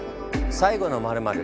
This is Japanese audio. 「最後の○○」。